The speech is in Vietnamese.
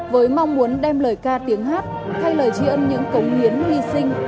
với mong muốn đem lời ca tiếng hát thay lời tri ân những cống hiến hy sinh